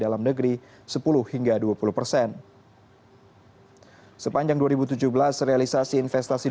badan koordinasi penanaman modal atau bkpm memperkirakan penyedaran ekonomi yang diperlukan untuk mengembangkan tenaga kerja asing